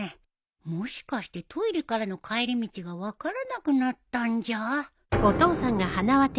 もしかしてトイレからの帰り道が分からなくなったんじゃ？